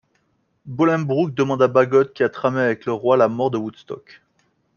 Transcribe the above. Bolingbroke demande à Bagot qui a tramé avec le roi la mort de Woodstock.